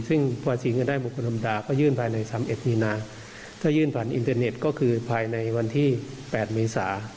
ซึ่งพอเสียเงินได้บุคคลธรรมดาก็ยื่นภายใน๓๑มีนาถ้ายื่นผ่านอินเทอร์เน็ตก็คือภายในวันที่๘เมษา